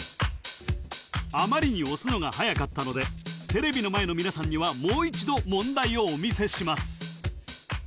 あまりに押すのがはやかったのでテレビの前の皆さんにはもう一度問題をお見せします